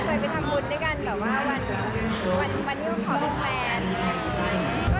เคยไปทำบุญด้วยกันแบบว่าวันที่เราขอเป็นแฟน